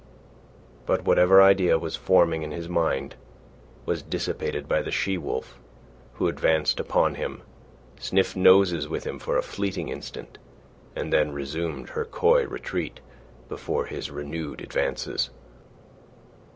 But whatever idea was forming in his mind, was dissipated by the she wolf, who advanced upon him, sniffed noses with him for a fleeting instant, and then resumed her coy retreat before his renewed advances.